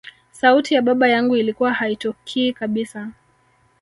sauti ya baba yangu ilikuwa haitokii kabisa